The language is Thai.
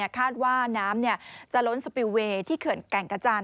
คาดว่าน้ำจะล้นสปิลเวย์ที่เขื่อนแก่งกระจาน